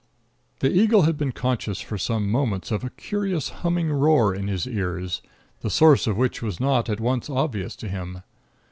The eagle had been conscious for some moments of a curious humming roar in his ears, the source of which was not at once obvious to him.